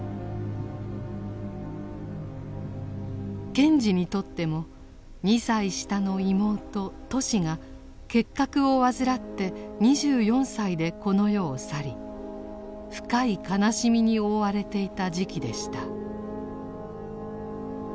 賢治にとっても２歳下の妹トシが結核を患って２４歳でこの世を去り深い悲しみに覆われていた時期でした。